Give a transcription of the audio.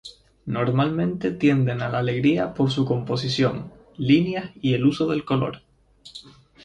Normalmente tienden a la alegría por su composición, líneas y el uso del color.